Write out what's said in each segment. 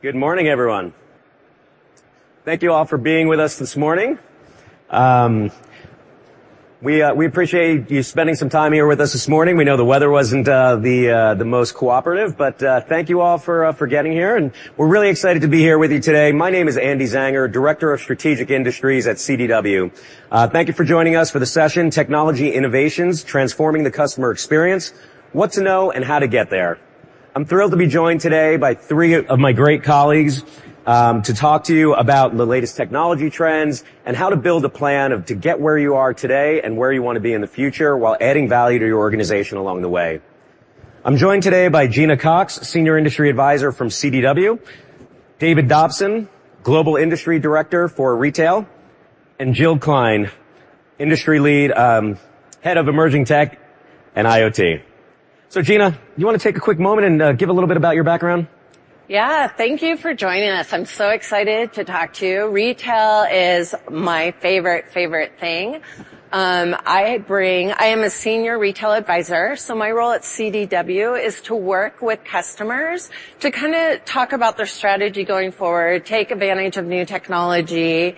Good morning, everyone. Thank you all for being with us this morning. We appreciate you spending some time here with us this morning. We know the weather wasn't the most cooperative, but thank you all for getting here, and we're really excited to be here with you today. My name is Andy Szanger, Director of Strategic Industries at CDW. Thank you for joining us for the session: Technology Innovations: Transforming the Customer Experience, What to Know and How to Get There. I'm thrilled to be joined today by three of my great colleagues, to talk to you about the latest technology trends and how to build a plan of to get where you are today and where you wanna be in the future, while adding value to your organization along the way. I'm joined today by Gina Cox, Senior Industry Advisor from CDW, David Dobson, Global Industry Director for Retail, and Jill Klein, Industry Lead, Head of Emerging Tech and IoT. So, Gina, you wanna take a quick moment and, give a little bit about your background? Yeah. Thank you for joining us. I'm so excited to talk to you. Retail is my favorite, favorite thing. I am a senior retail advisor, so my role at CDW is to work with customers to kinda talk about their strategy going forward, take advantage of new technology,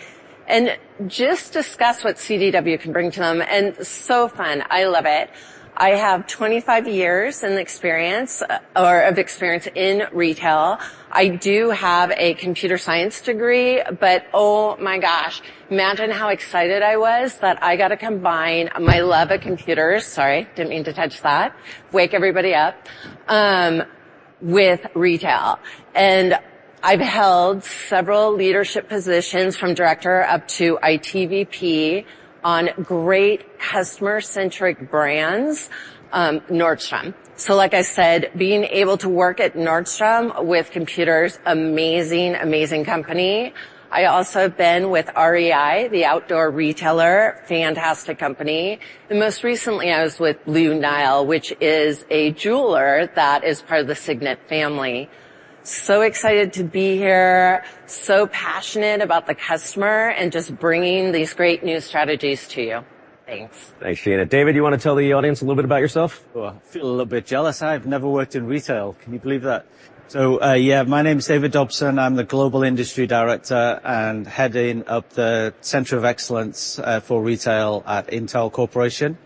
and just discuss what CDW can bring to them, and so fun. I love it. I have 25 years of experience in retail. I do have a computer science degree, but, oh, my gosh, imagine how excited I was that I got to combine my love of computers—Sorry, didn't mean to touch that. Wake everybody up, with retail. And I've held several leadership positions, from director up to IT VP, on great customer-centric brands, Nordstrom. So like I said, being able to work at Nordstrom with computers, amazing, amazing company. I also have been with REI, the outdoor retailer. Fantastic company. Most recently, I was with Blue Nile, which is a jeweler that is part of the Signet family. So excited to be here, so passionate about the customer and just bringing these great new strategies to you. Thanks. Thanks, Gina. David, you wanna tell the audience a little bit about yourself? Oh, I feel a little bit jealous. I've never worked in retail. Can you believe that? So, yeah, my name is David Dobson. I'm the Global Industry Director and heading up the Center of Excellence, for Retail at Intel Corporation.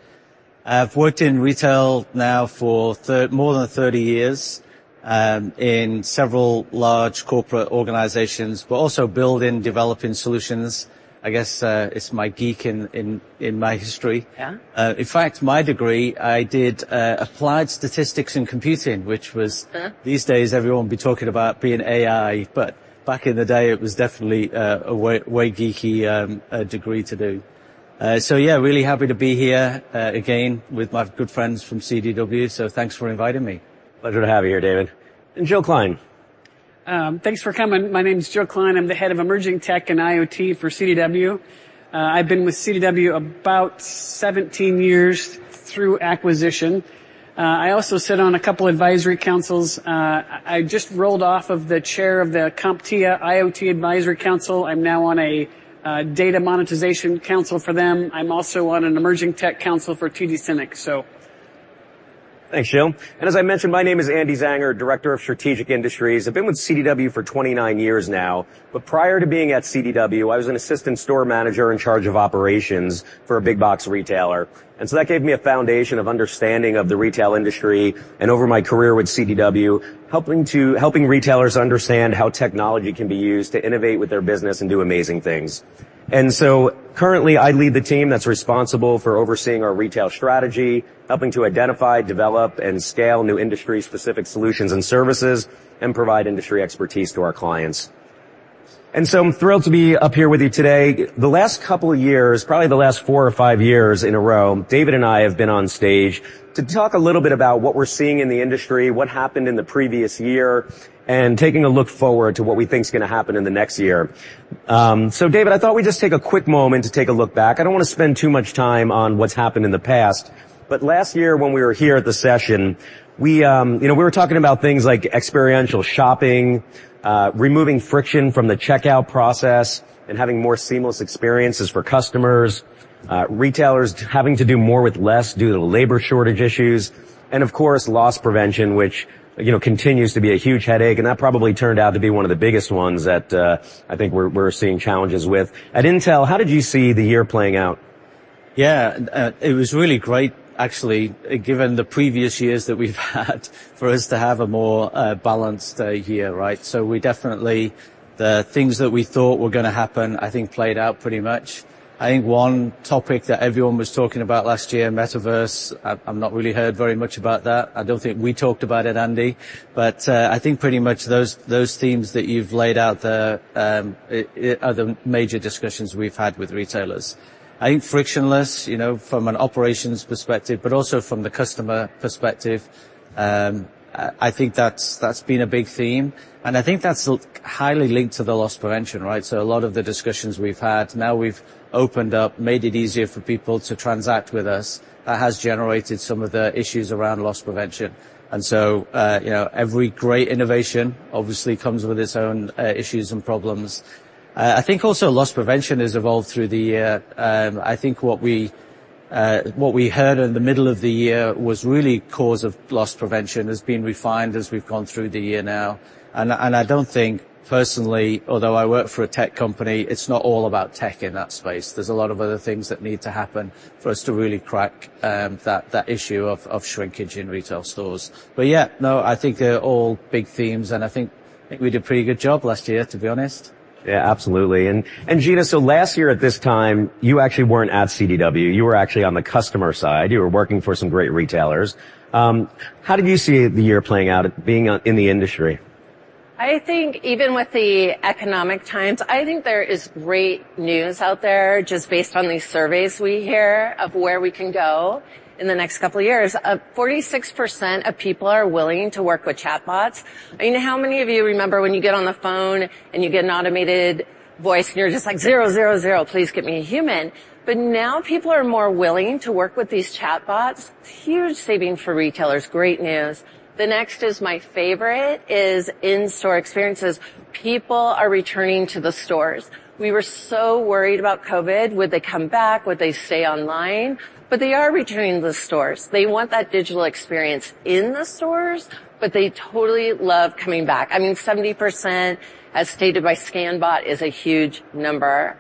I've worked in retail now for more than 30 years, in several large corporate organizations, but also building, developing solutions. I guess, it's my geek in my history. Yeah. In fact, my degree, I did applied statistics and computing, which was- Uh. These days, everyone would be talking about being AI, but back in the day, it was definitely a way, way geeky degree to do. So yeah, really happy to be here again with my good friends from CDW. So thanks for inviting me. Pleasure to have you here, David. And Jill Klein. Thanks for coming. My name is Jill Klein. I'm the Head of Emerging Tech and IoT for CDW. I've been with CDW about 17 years through acquisition. I also sit on a couple of advisory councils. I just rolled off of the chair of the CompTIA IoT Advisory Council. I'm now on a data monetization council for them. I'm also on an emerging tech council for TD SYNNEX, so. Thanks, Jill. As I mentioned, my name is Andy Szanger, Director of Strategic Industries. I've been with CDW for 29 years now, but prior to being at CDW, I was an assistant store manager in charge of operations for a big box retailer. That gave me a foundation of understanding of the retail industry, and over my career with CDW, helping retailers understand how technology can be used to innovate with their business and do amazing things. Currently, I lead the team that's responsible for overseeing our retail strategy, helping to identify, develop, and scale new industry-specific solutions and services, and provide industry expertise to our clients. I'm thrilled to be up here with you today. The last couple of years, probably the last four or five years in a row, David and I have been on stage to talk a little bit about what we're seeing in the industry, what happened in the previous year, and taking a look forward to what we think is gonna happen in the next year. So David, I thought we'd just take a quick moment to take a look back. I don't wanna spend too much time on what's happened in the past, but last year, when we were here at the session, we, you know, we were talking about things like experiential shopping, removing friction from the checkout process, and having more seamless experiences for customers, retailers having to do more with less due to labor shortage issues, and of course, loss prevention, which, you know, continues to be a huge headache, and that probably turned out to be one of the biggest ones that, I think we're seeing challenges with. At Intel, how did you see the year playing out? Yeah, it was really great, actually, given the previous years that we've had, for us to have a more, balanced, year, right? So we definitely... The things that we thought were gonna happen, I think played out pretty much. I think one topic that everyone was talking about last year, Metaverse, I've not really heard very much about that. I don't think we talked about it, Andy, but, I think pretty much those themes that you've laid out there, are the major discussions we've had with retailers. I think frictionless, you know, from an operations perspective, but also from the customer perspective, I think that's been a big theme, and I think that's highly linked to the loss prevention, right? So a lot of the discussions we've had, now we've opened up, made it easier for people to transact with us. That has generated some of the issues around loss prevention, and so, you know, every great innovation obviously comes with its own issues and problems. I think also loss prevention has evolved through the year. I think what we heard in the middle of the year was really cause of loss prevention has been refined as we've gone through the year now. And I don't think personally, although I work for a tech company, it's not all about tech in that space. There's a lot of other things that need to happen for us to really crack that issue of shrinkage in retail stores. But yeah, no, I think they're all big themes, and I think we did a pretty good job last year, to be honest. Yeah, absolutely. And Gina, so last year at this time, you actually weren't at CDW. You were actually on the customer side. You were working for some great retailers. How did you see the year playing out at being on, in the industry? I think even with the economic times, I think there is great news out there just based on these surveys we hear of where we can go in the next couple of years. Forty-six percent of people are willing to work with chatbots. I mean, how many of you remember when you get on the phone and you get an automated voice, and you're just like, "Zero, zero, zero, please get me a human?" But now people are more willing to work with these chatbots. Huge saving for retailers. Great news. The next is my favorite, in-store experiences. People are returning to the stores. We were so worried about COVID. Would they come back? Would they stay online? But they are returning to the stores. They want that digital experience in the stores, but they totally love coming back. I mean, 70%, as stated by Scandit, is a huge number.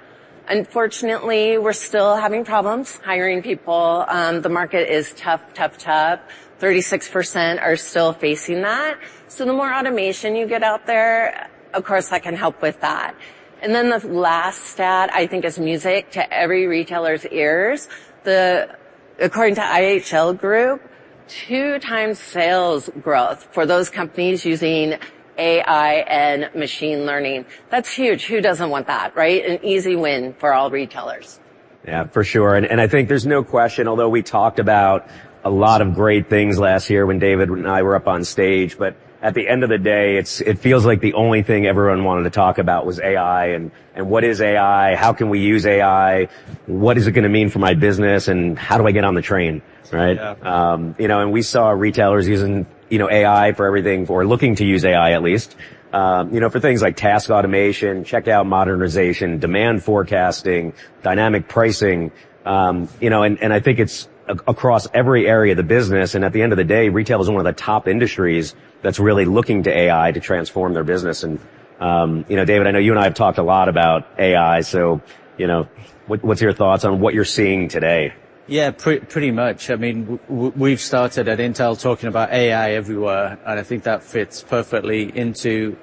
Unfortunately, we're still having problems hiring people. The market is tough, tough, tough. 36% are still facing that, so the more automation you get out there, of course, that can help with that. And then the last stat, I think, is music to every retailer's ears. The, according to IHL Group, 2 times sales growth for those companies using AI and machine learning. That's huge. Who doesn't want that, right? An easy win for all retailers. Yeah, for sure, and, and I think there's no question, although we talked about a lot of great things last year when David and I were up on stage, but at the end of the day, it's, it feels like the only thing everyone wanted to talk about was AI, and, and what is AI? How can we use AI? What is it gonna mean for my business, and how do I get on the train, right? Yeah. You know, and we saw retailers using, you know, AI for everything, or looking to use AI at least, you know, for things like task automation, checkout modernization, demand forecasting, dynamic pricing. You know, and I think it's across every area of the business, and at the end of the day, retail is one of the top industries that's really looking to AI to transform their business. You know, David, I know you and I have talked a lot about AI, so, you know, what, what's your thoughts on what you're seeing today? Yeah, pretty much. I mean, we've started at Intel talking about AI everywhere, and I think that fits perfectly into,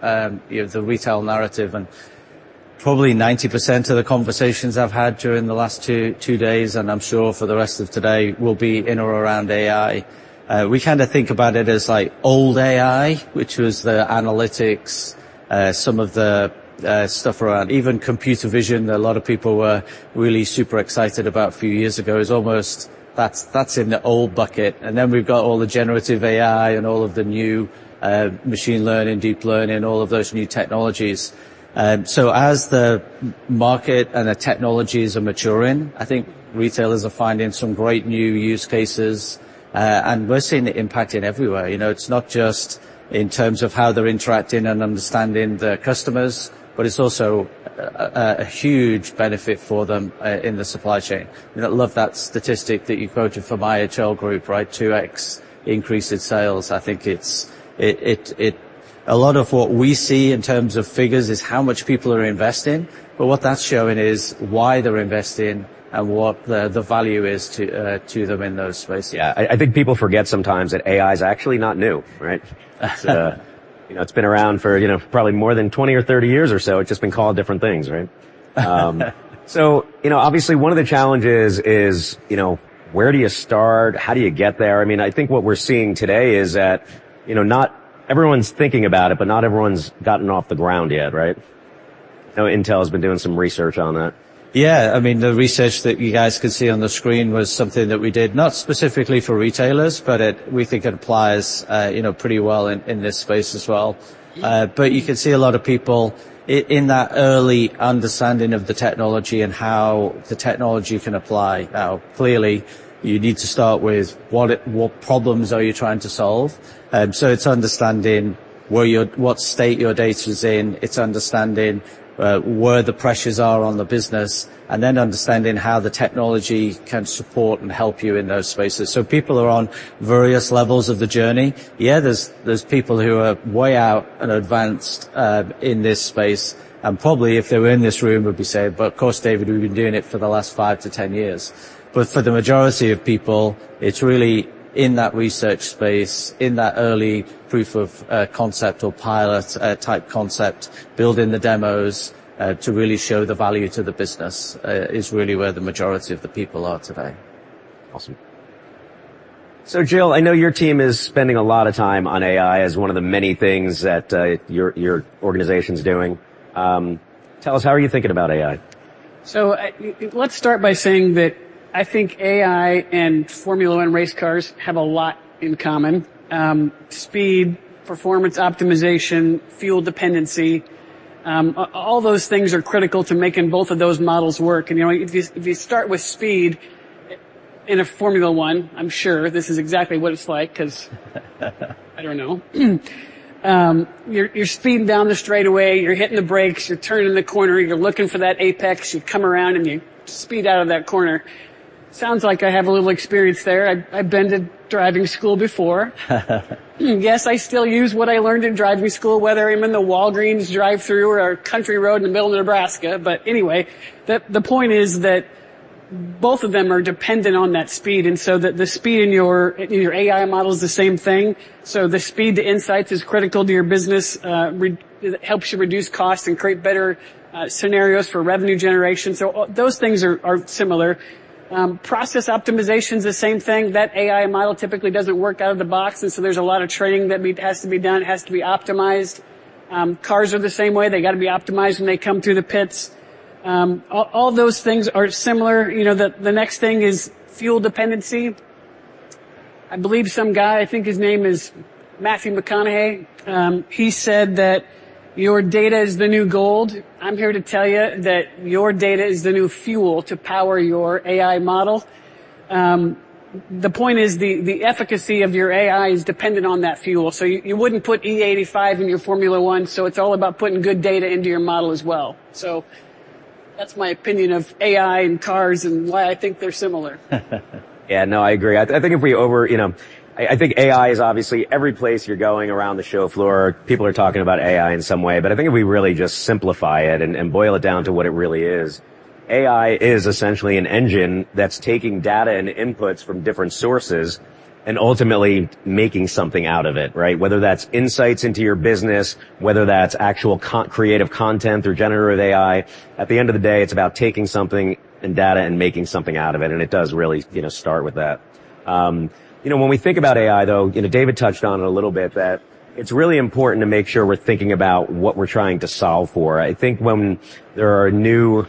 you know, the retail narrative. And probably 90% of the conversations I've had during the last two days, and I'm sure for the rest of today, will be in or around AI. We kinda think about it as like old AI, which was the analytics, some of the stuff around even computer vision that a lot of people were really super excited about a few years ago is almost... That's in the old bucket. And then we've got all the generative AI and all of the new, machine learning, deep learning, all of those new technologies. So as the market and the technologies are maturing, I think retailers are finding some great new use cases, and we're seeing it impacting everywhere. You know, it's not just in terms of how they're interacting and understanding their customers, but it's also a huge benefit for them in the supply chain. You know, I love that statistic that you quoted from IHL Group, right? 2x increase in sales. I think it's. A lot of what we see in terms of figures is how much people are investing, but what that's showing is why they're investing and what the value is to them in those spaces. Yeah, I think people forget sometimes that AI is actually not new, right? You know, it's been around for, you know, probably more than 20 or 30 years or so. It's just been called different things, right? So, you know, obviously, one of the challenges is, you know, where do you start? How do you get there? I mean, I think what we're seeing today is that, you know, not everyone's thinking about it, but not everyone's gotten off the ground yet, right? I know Intel has been doing some research on that. Yeah. I mean, the research that you guys could see on the screen was something that we did, not specifically for retailers, but we think it applies, you know, pretty well in, in this space as well. But you could see a lot of people in that early understanding of the technology and how the technology can apply. Now, clearly, you need to start with what problems are you trying to solve? So it's understanding where your, what state your data's in. It's understanding, where the pressures are on the business, and then understanding how the technology can support and help you in those spaces. So people are on various levels of the journey. Yeah, there's people who are way out and advanced in this space, and probably if they were in this room, would be saying: "But of course, David, we've been doing it for the last 5-10 years." But for the majority of people, it's really in that research space, in that early proof of concept or pilot type concept, building the demos to really show the value to the business, is really where the majority of the people are today. Awesome. So, Jill, I know your team is spending a lot of time on AI as one of the many things that your organization's doing. Tell us, how are you thinking about AI? So, let's start by saying that I think AI and Formula One race cars have a lot in common: speed, performance optimization, fuel dependency. All those things are critical to making both of those models work. And, you know, if you start with speed, in a Formula One, I'm sure this is exactly what it's like, because I don't know. You're speeding down the straightaway, you're hitting the brakes, you're turning the corner, you're looking for that apex, you come around, and you speed out of that corner. Sounds like I have a little experience there. I've been to driving school before. Yes, I still use what I learned in driving school, whether I'm in the Walgreens drive-through or a country road in the middle of Nebraska. But anyway, the point is that both of them are dependent on that speed, and so the speed in your AI model is the same thing. So the speed to insights is critical to your business, it helps you reduce costs and create better scenarios for revenue generation. So those things are similar. Process optimization's the same thing. That AI model typically doesn't work out of the box, and so there's a lot of training has to be done, it has to be optimized. Cars are the same way, they gotta be optimized when they come through the pits. All those things are similar. You know, the next thing is fuel dependency. I believe some guy, I think his name is Matthew McConaughey, he said that, "Your data is the new gold." I'm here to tell you that your data is the new fuel to power your AI model. The point is, the efficacy of your AI is dependent on that fuel, so you wouldn't put E85 in your Formula One, so it's all about putting good data into your model as well. So that's my opinion of AI and cars and why I think they're similar. Yeah, no, I agree. You know, I think AI is obviously every place you're going around the show floor, people are talking about AI in some way. But I think if we really just simplify it and boil it down to what it really is, AI is essentially an engine that's taking data and inputs from different sources and ultimately making something out of it, right? Whether that's insights into your business, whether that's actual co-creative content through generative AI. At the end of the day, it's about taking something and data and making something out of it, and it does really, you know, start with that. You know, when we think about AI, though, you know, David touched on it a little bit, that it's really important to make sure we're thinking about what we're trying to solve for. I think when there are new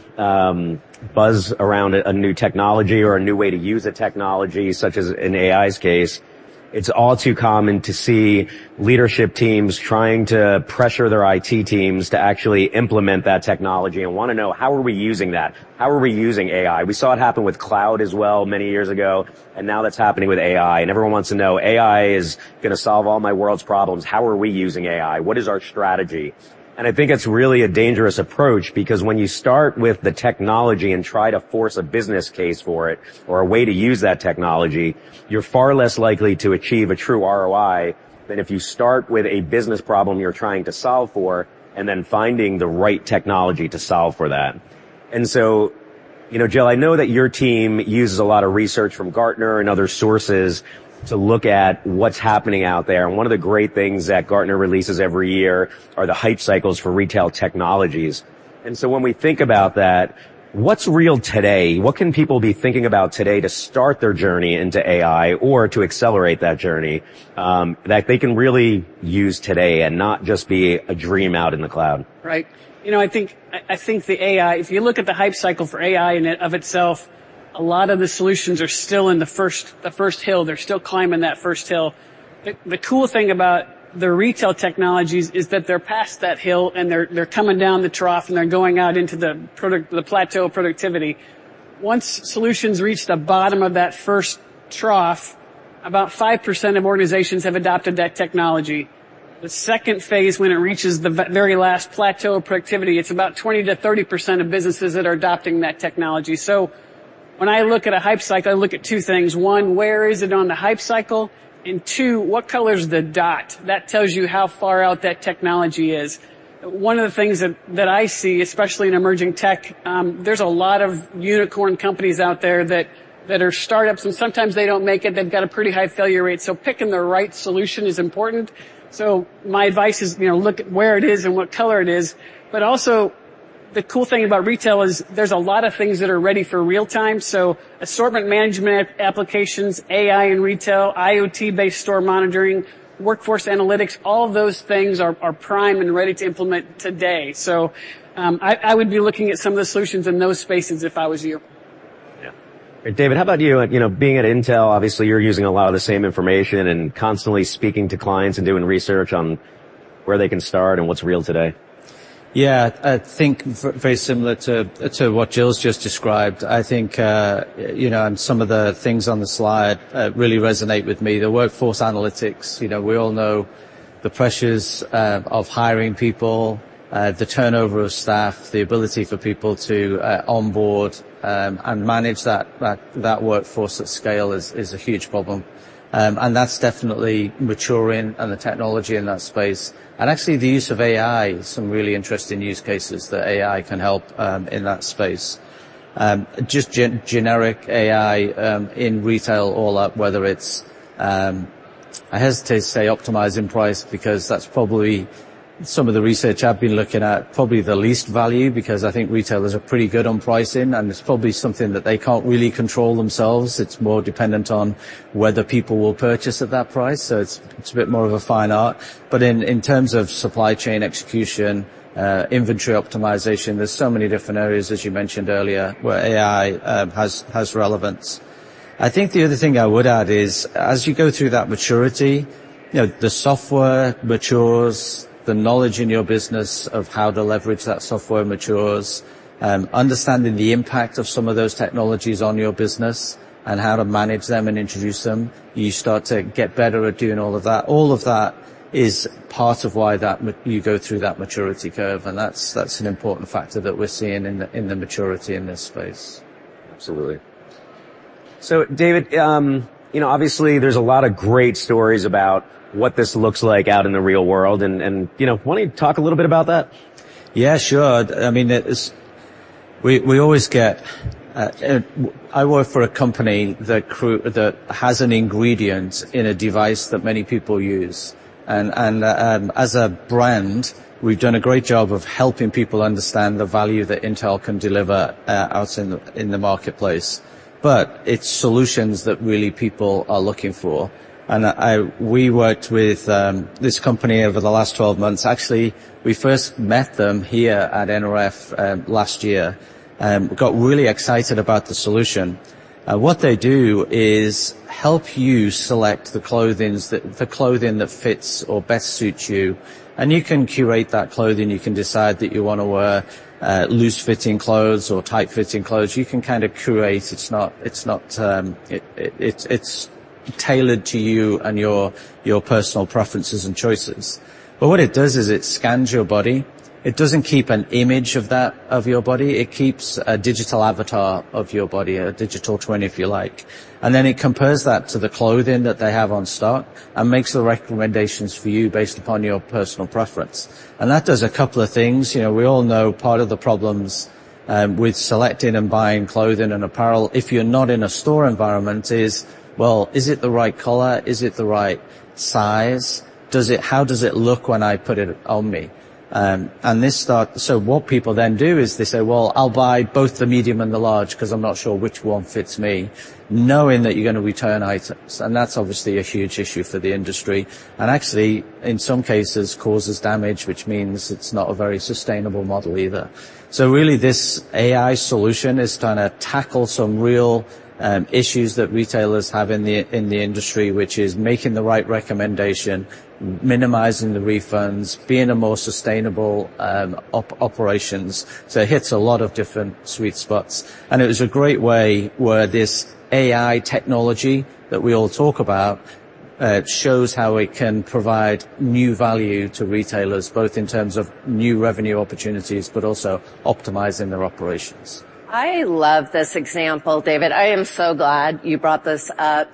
buzz around a new technology or a new way to use a technology, such as in AI's case, it's all too common to see leadership teams trying to pressure their IT teams to actually implement that technology and wanna know: How are we using that? How are we using AI? We saw it happen with cloud as well many years ago, and now that's happening with AI, and everyone wants to know, "AI is gonna solve all my world's problems. How are we using AI? “What is our strategy?” And I think it's really a dangerous approach because when you start with the technology and try to force a business case for it or a way to use that technology, you're far less likely to achieve a true ROI than if you start with a business problem you're trying to solve for, and then finding the right technology to solve for that. And so, you know, Jill, I know that your team uses a lot of research from Gartner and other sources to look at what's happening out there, and one of the great things that Gartner releases every year are the Hype Cycles for retail technologies. And so, when we think about that, what's real today? What can people be thinking about today to start their journey into AI or to accelerate that journey, that they can really use today and not just be a dream out in the cloud? Right. You know, I think, I, I think the AI, if you look at the Hype Cycle for AI in and of itself, a lot of the solutions are still in the first hill. They're still climbing that first hill. The cool thing about the retail technologies is that they're past that hill, and they're coming down the trough, and they're going out into the plateau of productivity. Once solutions reach the bottom of that first trough, about 5% of organizations have adopted that technology. The second phase, when it reaches the very last plateau of productivity, it's about 20%-30% of businesses that are adopting that technology. So when I look at a Hype Cycle, I look at two things: one, where is it on the Hype Cycle? And two, what color is the dot? That tells you how far out that technology is. One of the things that I see, especially in emerging tech, there's a lot of unicorn companies out there that are startups, and sometimes they don't make it. They've got a pretty high failure rate, so picking the right solution is important. So my advice is, you know, look at where it is and what color it is. But also, the cool thing about retail is there's a lot of things that are ready for real time, so assortment management applications, AI in retail, IoT-based store monitoring, workforce analytics, all of those things are prime and ready to implement today. So I would be looking at some of the solutions in those spaces if I was you. Yeah. David, how about you? Like, you know, being at Intel, obviously, you're using a lot of the same information and constantly speaking to clients and doing research on where they can start and what's real today. Yeah. I think very similar to what Jill's just described. I think, you know, and some of the things on the slide really resonate with me. The workforce analytics, you know, we all know the pressures of hiring people, the turnover of staff, the ability for people to onboard and manage that workforce at scale is a huge problem. And that's definitely maturing and the technology in that space. And actually, the use of AI, some really interesting use cases that AI can help in that space. Just generic AI in retail all up, whether it's. I hesitate to say optimizing price because that's probably some of the research I've been looking at, probably the least value, because I think retailers are pretty good on pricing, and it's probably something that they can't really control themselves. It's more dependent on whether people will purchase at that price, so it's a bit more of a fine art. But in terms of supply chain execution, inventory optimization, there's so many different areas, as you mentioned earlier, where AI has relevance. I think the other thing I would add is, as you go through that maturity, you know, the software matures, the knowledge in your business of how to leverage that software matures, and understanding the impact of some of those technologies on your business and how to manage them and introduce them, you start to get better at doing all of that. All of that is part of why that you go through that maturity curve, and that's an important factor that we're seeing in the maturity in this space. Absolutely. So David, you know, obviously there's a lot of great stories about what this looks like out in the real world, and you know, why don't you talk a little bit about that? Yeah, sure. I mean, we always get. I work for a company that has an ingredient in a device that many people use, and as a brand, we've done a great job of helping people understand the value that Intel can deliver out in the marketplace. But it's solutions that really people are looking for, and we worked with this company over the last 12 months. Actually, we first met them here at NRF last year, got really excited about the solution. What they do is help you select the clothing that fits or best suits you, and you can curate that clothing. You can decide that you wanna wear loose-fitting clothes or tight-fitting clothes. You can kind of curate. It's tailored to you and your personal preferences and choices. But what it does is it scans your body. It doesn't keep an image of that, of your body. It keeps a digital avatar of your body, a digital twin, if you like, and then it compares that to the clothing that they have on stock and makes the recommendations for you based upon your personal preference. And that does a couple of things. You know, we all know part of the problems with selecting and buying clothing and apparel, if you're not in a store environment, is, well, is it the right color? Is it the right size? Does it, how does it look when I put it on me? And this start... So what people then do is they say, "Well, I'll buy both the medium and the large 'cause I'm not sure which one fits me," knowing that you're gonna return items, and that's obviously a huge issue for the industry, and actually, in some cases, causes damage, which means it's not a very sustainable model either. So really, this AI solution is gonna tackle some real issues that retailers have in the, in the industry, which is making the right recommendation, minimizing the refunds, being a more sustainable operations. So it hits a lot of different sweet spots, and it is a great way where this AI technology that we all talk about shows how it can provide new value to retailers, both in terms of new revenue opportunities, but also optimizing their operations. I love this example, David. I am so glad you brought this up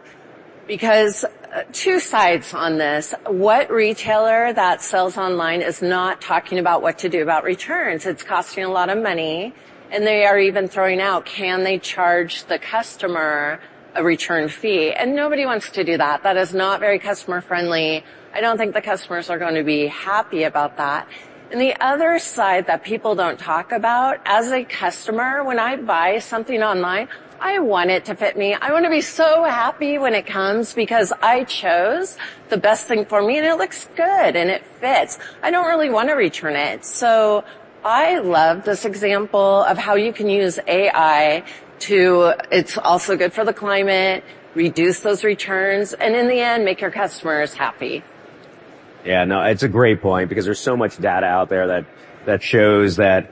because, two sides on this: What retailer that sells online is not talking about what to do about returns? It's costing a lot of money, and they are even throwing out, can they charge the customer a return fee? And nobody wants to do that. That is not very customer-friendly. I don't think the customers are gonna be happy about that. And the other side that people don't talk about, as a customer, when I buy something online, I want it to fit me. I wanna be so happy when it comes because I chose the best thing for me, and it looks good, and it fits. I don't really wanna return it. So I love this example of how you can use AI to... It's also good for the climate, reduce those returns, and in the end, make your customers happy. Yeah, no, it's a great point because there's so much data out there that shows the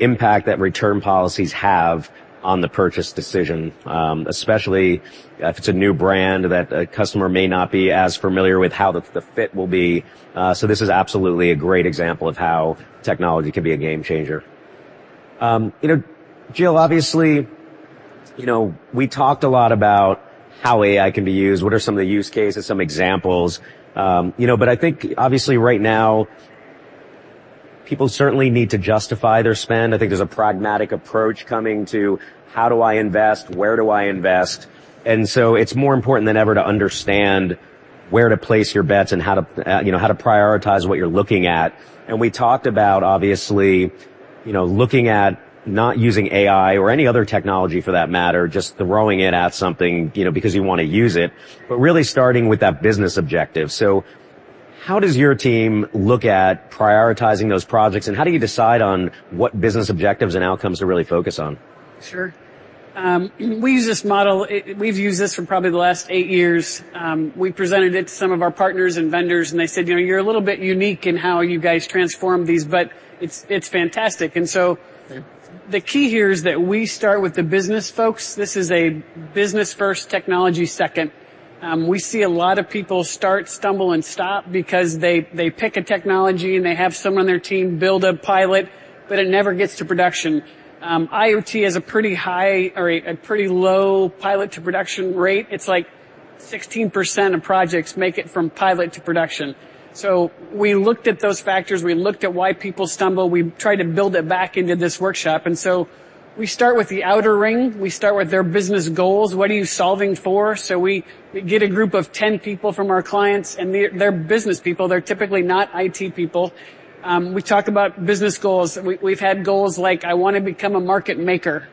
impact that return policies have on the purchase decision, especially if it's a new brand that a customer may not be as familiar with how the fit will be. So this is absolutely a great example of how technology can be a game changer. You know, Jill, obviously, you know, we talked a lot about how AI can be used, what are some of the use cases, some examples, you know. But I think obviously right now, people certainly need to justify their spend. I think there's a pragmatic approach coming to how do I invest, where do I invest? And so it's more important than ever to understand where to place your bets and how to, you know, how to prioritize what you're looking at. And we talked about, obviously, you know, looking at not using AI or any other technology for that matter, just throwing it at something, you know, because you wanna use it, but really starting with that business objective. So how does your team look at prioritizing those projects, and how do you decide on what business objectives and outcomes to really focus on? Sure. We use this model... We've used this for probably the last eight years. We presented it to some of our partners and vendors, and they said, "You know, you're a little bit unique in how you guys transform these, but it's fantastic." So the key here is that we start with the business folks. This is a business first, technology second. We see a lot of people start, stumble, and stop because they pick a technology, and they have someone on their team build a pilot, but it never gets to production. IoT has a pretty high, or a pretty low pilot-to-production rate. It's like 16% of projects make it from pilot to production. So we looked at those factors. We looked at why people stumble. We tried to build it back into this workshop, and so we start with the outer ring. We start with their business goals. What are you solving for? So we get a group of 10 people from our clients, and they're business people. They're typically not IT people. We talk about business goals. We've had goals like, "I wanna become a market maker,"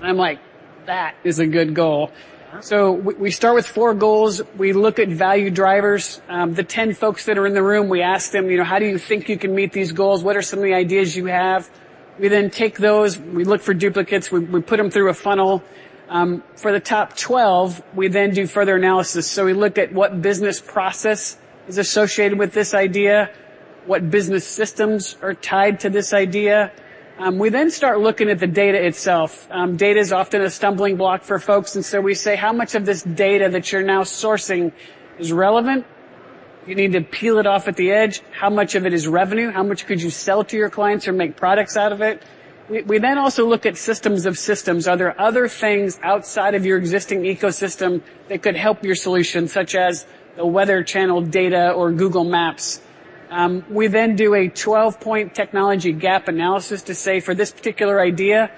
and I'm like, "That is a good goal. Uh-huh. So we start with 4 goals. We look at value drivers. The 10 folks that are in the room, we ask them, you know, "How do you think you can meet these goals? What are some of the ideas you have?" We then take those, we look for duplicates, we put them through a funnel. For the top 12, we then do further analysis. So we look at what business process is associated with this idea, what business systems are tied to this idea. We then start looking at the data itself. Data is often a stumbling block for folks, and so we say: How much of this data that you're now sourcing is relevant? You need to peel it off at the edge. How much of it is revenue? How much could you sell to your clients or make products out of it? We then also look at systems of systems. Are there other things outside of your existing ecosystem that could help your solution, such as the Weather Channel data or Google Maps? We then do a 12-point technology gap analysis to say, for this particular idea,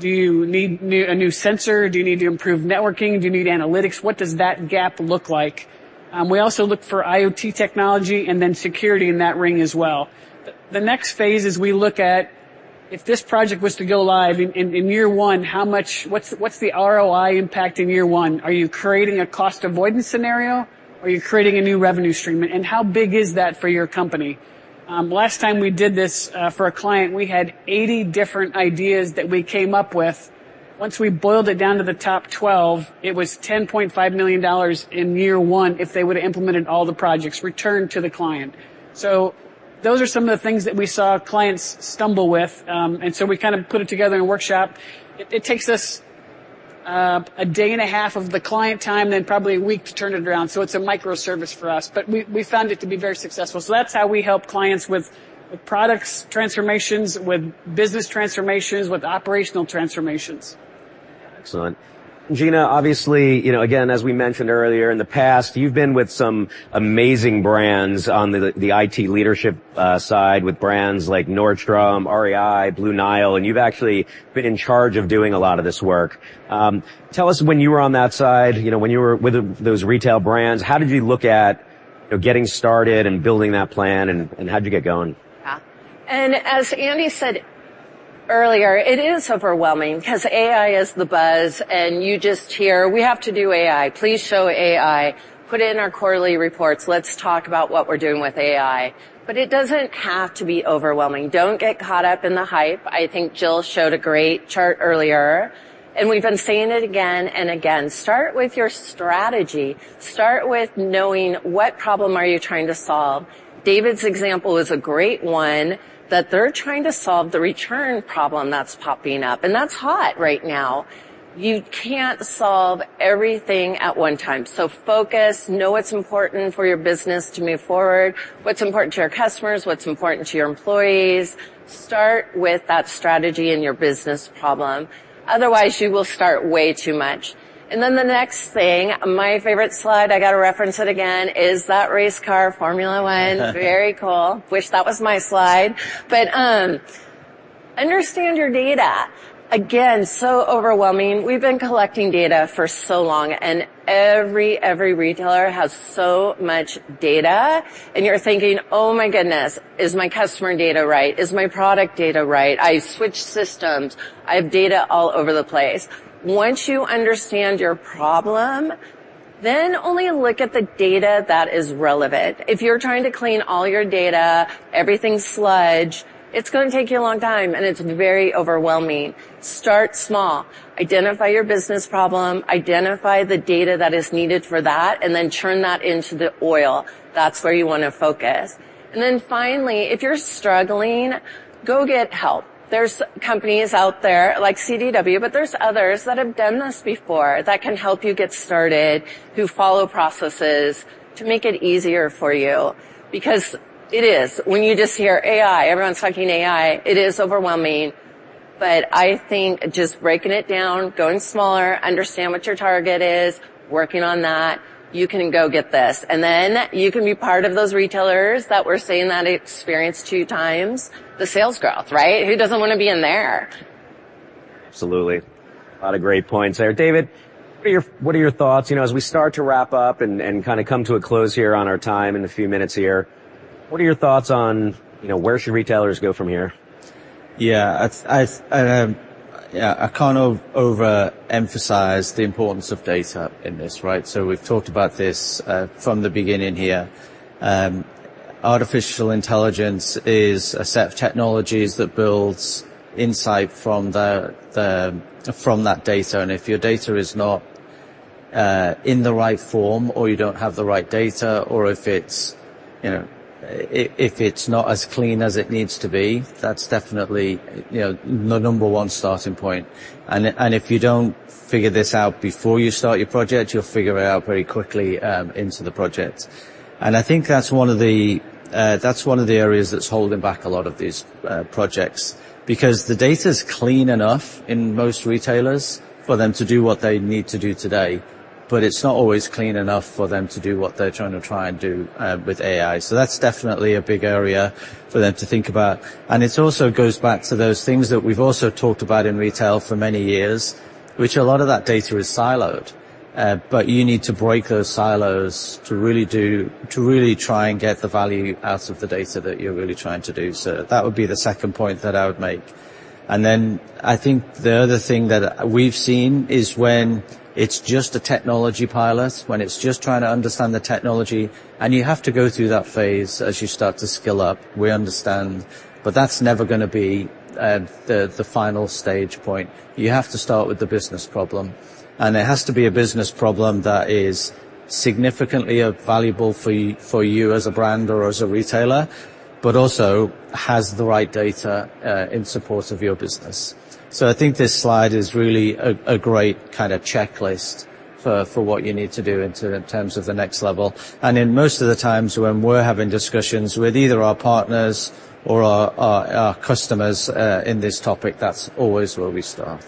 do you need a new sensor? Do you need to improve networking? Do you need analytics? What does that gap look like? We also look for IoT technology and then security in that ring as well. The next phase is we look at, if this project was to go live in year one, what's the ROI impact in year one? Are you creating a cost avoidance scenario, or are you creating a new revenue stream, and how big is that for your company? Last time we did this, for a client, we had 80 different ideas that we came up with. Once we boiled it down to the top 12, it was $10.5 million in year 1 if they would've implemented all the projects, returned to the client. So those are some of the things that we saw clients stumble with. And so we kind of put it together in a workshop. It takes us a day and a half of the client time, then probably a week to turn it around, so it's a micro service for us, but we found it to be very successful. So that's how we help clients with products transformations, with business transformations, with operational transformations. Excellent. Gina, obviously, you know, again, as we mentioned earlier, in the past, you've been with some amazing brands on the IT leadership side, with brands like Nordstrom, REI, Blue Nile, and you've actually been in charge of doing a lot of this work. Tell us, when you were on that side, you know, when you were with those retail brands, how did you look at, you know, getting started and building that plan, and how'd you get going? Yeah. And as Andy said earlier, it is overwhelming 'cause AI is the buzz, and you just hear: "We have to do AI. Please show AI. Put it in our quarterly reports. Let's talk about what we're doing with AI." But it doesn't have to be overwhelming. Don't get caught up in the hype. I think Jill showed a great chart earlier, and we've been saying it again and again. Start with your strategy. Start with knowing what problem are you trying to solve? David's example is a great one, that they're trying to solve the return problem that's popping up, and that's hot right now. You can't solve everything at one time, so focus. Know what's important for your business to move forward, what's important to your customers, what's important to your employees. Start with that strategy and your business problem. Otherwise, you will start way too much. Then the next thing, my favorite slide, I gotta reference it again, is that race car, Formula One. Very cool. Wish that was my slide. But, understand your data. Again, so overwhelming. We've been collecting data for so long, and every retailer has so much data, and you're thinking: "Oh, my goodness, is my customer data right? Is my product data right? I switched systems. I have data all over the place." Once you understand your problem, then only look at the data that is relevant. If you're trying to clean all your data, everything's sludge. It's gonna take you a long time, and it's very overwhelming. Start small. Identify your business problem, identify the data that is needed for that, and then turn that into the oil. That's where you wanna focus. Then finally, if you're struggling, go get help. There's companies out there, like CDW, but there's others that have done this before, that can help you get started, who follow processes to make it easier for you. Because it is... When you just hear AI, everyone's talking AI, it is overwhelming, but I think just breaking it down, going smaller, understand what your target is, working on that, you can go get this. And then you can be part of those retailers that we're seeing that experience 2 times the sales growth, right? Who doesn't wanna be in there? Absolutely. A lot of great points there. David, what are your, what are your thoughts? You know, as we start to wrap up and kinda come to a close here on our time in a few minutes here, what are your thoughts on, you know, where should retailers go from here? Yeah, I can't overemphasize the importance of data in this, right? So we've talked about this from the beginning here. Artificial intelligence is a set of technologies that builds insight from that data, and if your data is not in the right form or you don't have the right data, or if it's, you know, if it's not as clean as it needs to be, that's definitely, you know, the number one starting point. And if you don't figure this out before you start your project, you'll figure it out very quickly into the project. And I think that's one of the areas that's holding back a lot of these projects. Because the data's clean enough in most retailers for them to do what they need to do today. ... but it's not always clean enough for them to do what they're trying to try and do with AI. So that's definitely a big area for them to think about. And it also goes back to those things that we've also talked about in retail for many years, which a lot of that data is siloed, but you need to break those silos to really try and get the value out of the data that you're really trying to do. So that would be the second point that I would make. And then I think the other thing that we've seen is when it's just a technology pilot, when it's just trying to understand the technology, and you have to go through that phase as you start to scale up. We understand, but that's never gonna be the final stage point. You have to start with the business problem, and it has to be a business problem that is significantly valuable for, for you as a brand or as a retailer, but also has the right data in support of your business. So I think this slide is really a great kind of checklist for, for what you need to do in terms of the next level. And in most of the times when we're having discussions with either our partners or our, our, our customers in this topic, that's always where we start.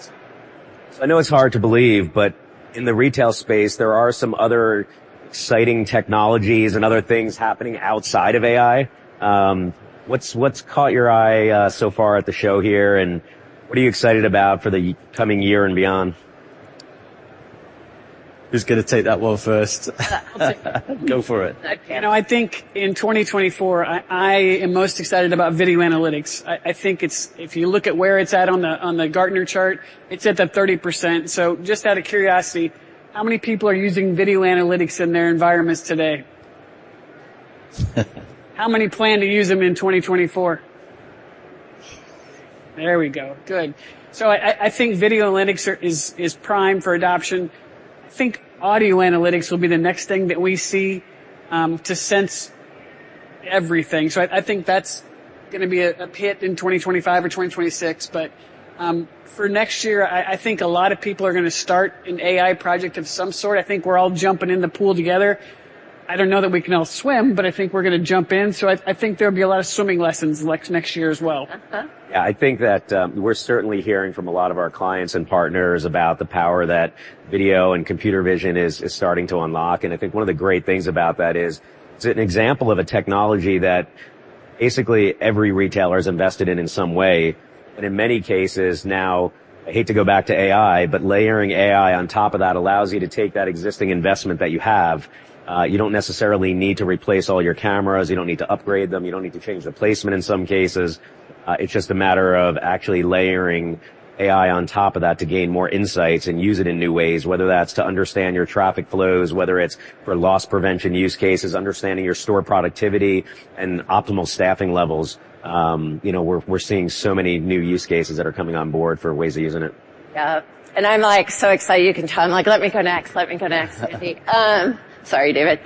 So I know it's hard to believe, but in the retail space, there are some other exciting technologies and other things happening outside of AI. What's caught your eye so far at the show here, and what are you excited about for the upcoming year and beyond? Who's gonna take that one first? I'll take it. Go for it. You know, I think in 2024, I am most excited about video analytics. I think it's if you look at where it's at on the Gartner chart, it's at the 30%. So just out of curiosity, how many people are using video analytics in their environments today? How many plan to use them in 2024? There we go. Good. So I think video analytics are, is, is prime for adoption. I think audio analytics will be the next thing that we see to sense everything. So I think that's gonna be a hit in 2025 or 2026. But for next year, I think a lot of people are gonna start an AI project of some sort. I think we're all jumping in the pool together. I don't know that we can all swim, but I think we're gonna jump in, so I, I think there'll be a lot of swimming lessons next, next year as well. Yeah, I think that, we're certainly hearing from a lot of our clients and partners about the power that video and computer vision is starting to unlock. And I think one of the great things about that is it's an example of a technology that basically every retailer is invested in in some way, and in many cases now, I hate to go back to AI, but layering AI on top of that allows you to take that existing investment that you have. You don't necessarily need to replace all your cameras. You don't need to upgrade them. You don't need to change the placement in some cases. It's just a matter of actually layering AI on top of that to gain more insights and use it in new ways, whether that's to understand your traffic flows, whether it's for loss prevention use cases, understanding your store productivity and optimal staffing levels. You know, we're seeing so many new use cases that are coming on board for ways of using it. Yeah. And I'm, like, so excited. You can tell I'm like, "Let me go next. Let me go next," Andy. Sorry, David.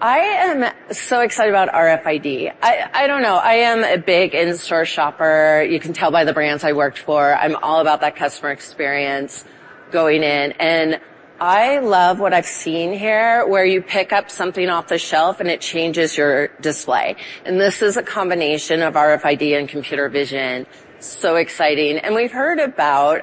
I am so excited about RFID. I don't know. I am a big in-store shopper. You can tell by the brands I worked for. I'm all about that customer experience going in, and I love what I've seen here, where you pick up something off the shelf, and it changes your display. And this is a combination of RFID and computer vision. So exciting. And we've heard about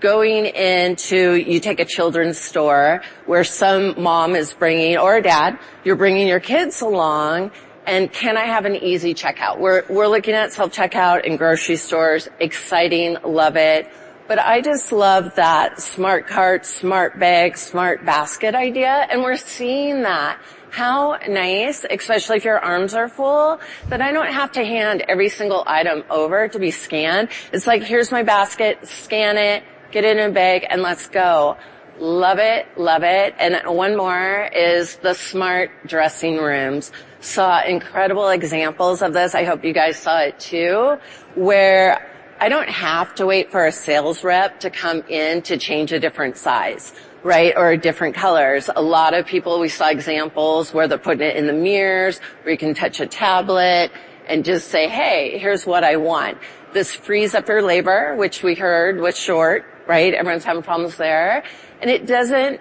going into... You take a children's store, where some mom is bringing or a dad, you're bringing your kids along, and can I have an easy checkout? We're looking at self-checkout in grocery stores. Exciting. Love it. But I just love that smart cart, smart bag, smart basket idea, and we're seeing that. How nice, especially if your arms are full, that I don't have to hand every single item over to be scanned. It's like, here's my basket, scan it, get it in a bag, and let's go. Love it. Love it. And one more is the smart dressing rooms. Saw incredible examples of this, I hope you guys saw it, too, where I don't have to wait for a sales rep to come in to change a different size, right? Or different colors. A lot of people, we saw examples where they're putting it in the mirrors, where you can touch a tablet and just say, "Hey, here's what I want." This frees up your labor, which we heard was short, right? Everyone's having problems there. And it doesn't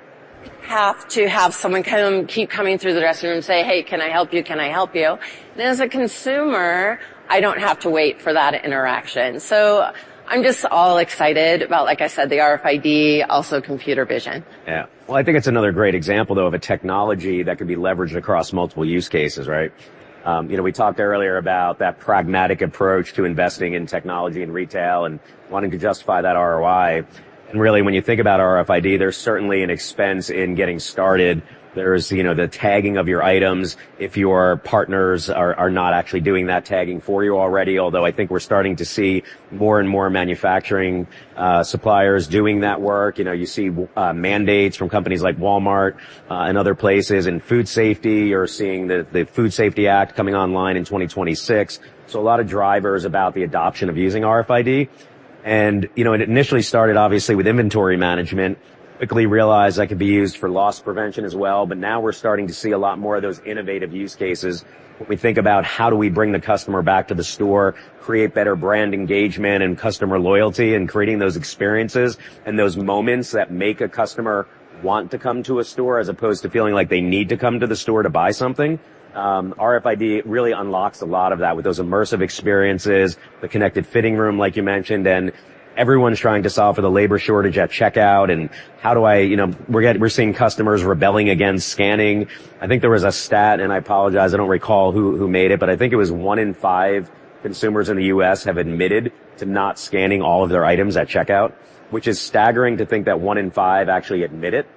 have to have someone come, keep coming through the dressing room and say, "Hey, can I help you? “Can I help you?” And as a consumer, I don't have to wait for that interaction. So I'm just all excited about, like I said, the RFID, also computer vision. Yeah. Well, I think it's another great example, though, of a technology that could be leveraged across multiple use cases, right? You know, we talked earlier about that pragmatic approach to investing in technology and retail and wanting to justify that ROI. And really, when you think about RFID, there's certainly an expense in getting started. There's, you know, the tagging of your items, if your partners are, are not actually doing that tagging for you already. Although, I think we're starting to see more and more manufacturing suppliers doing that work. You know, you see mandates from companies like Walmart and other places. In food safety, you're seeing the Food Safety Act coming online in 2026. So a lot of drivers about the adoption of using RFID. And, you know, it initially started obviously with inventory management. Quickly realized that could be used for loss prevention as well, but now we're starting to see a lot more of those innovative use cases when we think about how do we bring the customer back to the store, create better brand engagement and customer loyalty, and creating those experiences and those moments that make a customer want to come to a store, as opposed to feeling like they need to come to the store to buy something. RFID really unlocks a lot of that with those immersive experiences, the connected fitting room, like you mentioned, and everyone's trying to solve for the labor shortage at checkout. And, you know, we're seeing customers rebelling against scanning. I think there was a stat, and I apologize, I don't recall who, who made it, but I think it was one in five consumers in the U.S. have admitted to not scanning all of their items at checkout, which is staggering to think that one in five actually admit it.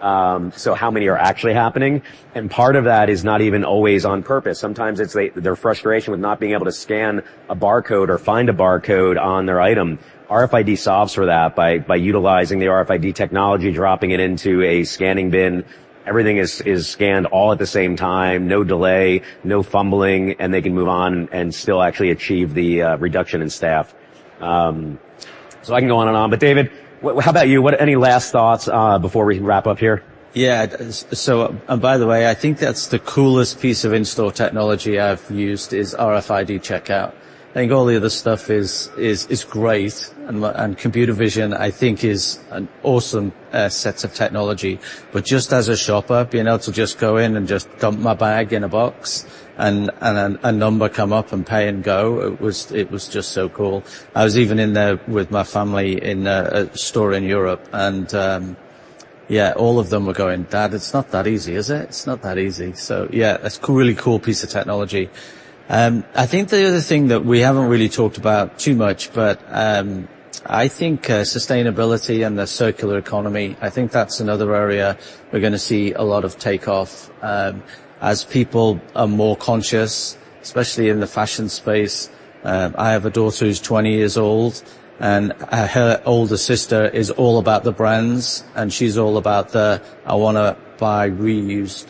So how many are actually happening? And part of that is not even always on purpose. Sometimes it's their frustration with not being able to scan a barcode or find a barcode on their item. RFID solves for that by utilizing the RFID technology, dropping it into a scanning bin. Everything is scanned all at the same time, no delay, no fumbling, and they can move on and still actually achieve the reduction in staff. So I can go on and on, but, David, how about you? What, any last thoughts before we wrap up here? Yeah. So, and by the way, I think that's the coolest piece of in-store technology I've used, is RFID checkout. I think all the other stuff is great, and computer vision, I think, is an awesome set of technology. But just as a shopper, being able to just go in and just dump my bag in a box and a number come up and pay and go, it was just so cool. I was even in there with my family in a store in Europe, and yeah, all of them were going, "Dad, it's not that easy, is it? It's not that easy." So yeah, it's a really cool piece of technology. I think the other thing that we haven't really talked about too much, but I think sustainability and the Circular Economy. I think that's another area we're gonna see a lot of take-off as people are more conscious, especially in the fashion space. I have a daughter who's 20 years old, and her older sister is all about the brands, and she's all about the, "I wanna buy reused,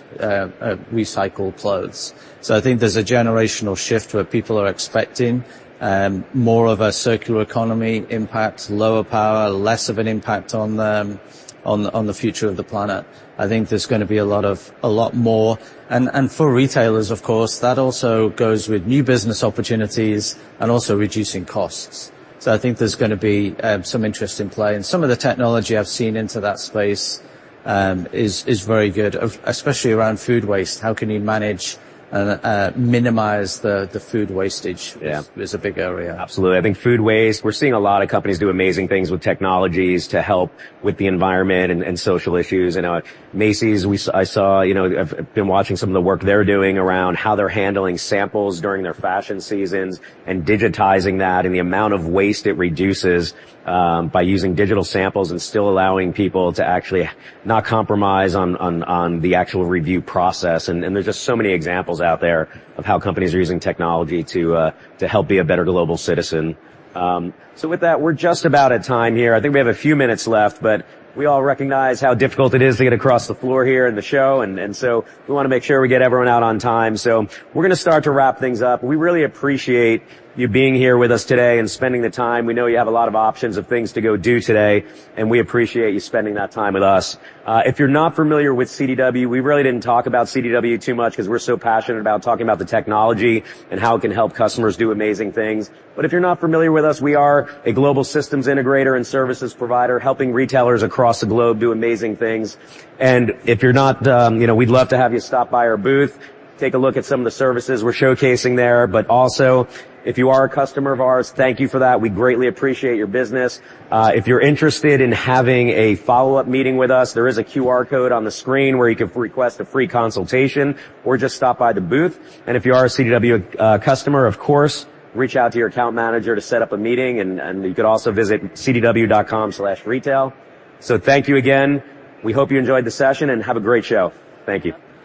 recycled clothes." So I think there's a generational shift where people are expecting more of a Circular Economy impact, lower power, less of an impact on them, on the future of the planet. I think there's gonna be a lot of... a lot more. And for retailers, of course, that also goes with new business opportunities and also reducing costs. So I think there's gonna be some interest in play. And some of the technology I've seen into that space is very good, especially around food waste. How can you manage and minimize the food wastage- Yeah. is a big area. Absolutely. I think food waste, we're seeing a lot of companies do amazing things with technologies to help with the environment and social issues. I know at Macy's, I saw, you know... I've been watching some of the work they're doing around how they're handling samples during their fashion seasons and digitizing that, and the amount of waste it reduces by using digital samples and still allowing people to actually not compromise on the actual review process. And there are just so many examples out there of how companies are using technology to help be a better global citizen. So with that, we're just about at time here. I think we have a few minutes left, but we all recognize how difficult it is to get across the floor here in the show, and, and so we wanna make sure we get everyone out on time. So we're gonna start to wrap things up. We really appreciate you being here with us today and spending the time. We know you have a lot of options of things to go do today, and we appreciate you spending that time with us. If you're not familiar with CDW, we really didn't talk about CDW too much 'cause we're so passionate about talking about the technology and how it can help customers do amazing things. But if you're not familiar with us, we are a global systems integrator and services provider, helping retailers across the globe do amazing things. And if you're not, you know, we'd love to have you stop by our booth, take a look at some of the services we're showcasing there. But also, if you are a customer of ours, thank you for that. We greatly appreciate your business. If you're interested in having a follow-up meeting with us, there is a QR code on the screen where you can request a free consultation or just stop by the booth. And if you are a CDW customer, of course, reach out to your account manager to set up a meeting, and you could also visit cdw.com/retail. So thank you again. We hope you enjoyed the session, and have a great show. Thank you.